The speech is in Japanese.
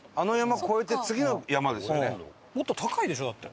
もっと高いでしょ？だって。